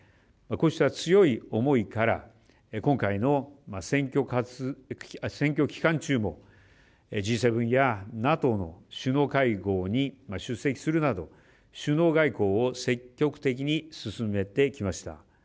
こうした強い思いから今回の選挙期間中もＧ７やＮＡＴＯの首脳会合に出席するなど首脳外交を積極的に進めてきました。